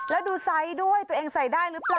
แล้วดูไซส์ด้วยตัวเองใส่ได้หรือเปล่า